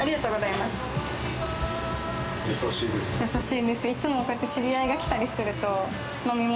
優しいですね。